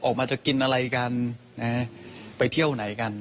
ออกมาจะกินอะไรกันไปเที่ยวไหนกัน